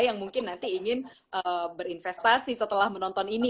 yang mungkin nanti ingin berinvestasi setelah menonton ini